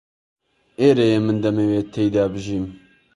ئێرەیە من دەمەوێت تێیدا بژیم.